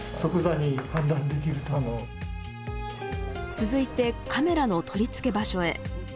続いてカメラの取り付け場所へ。